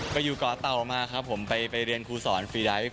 ก็อยู่ก่อเต่ามาครับผมไปเรียนครูสอนฟรีไดท์